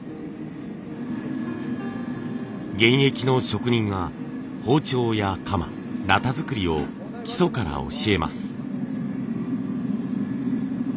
現役の職人が包丁や鎌鉈作りを基礎から教えます。